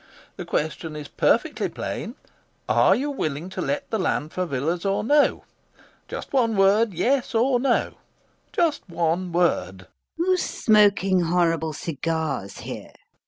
The question is perfectly plain. Are you willing to let the land for villas or no? Just one word, yes or no? Just one word! LUBOV. Who's smoking horrible cigars here?